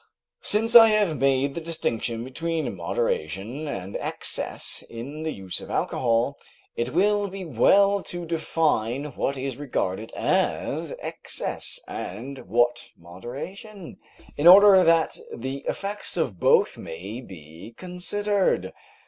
Since I have made the distinction between moderation and excess in the use of alcohol, it will be well to define what is regarded as excess, and what moderation, in order that the effects of both may be considered.